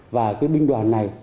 và cái binh đoàn này